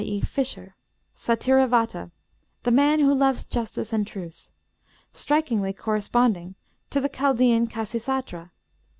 e., fisher Satyravata, 'the man who loves justice and truth,' strikingly corresponding to the Chaldean Khasisatra.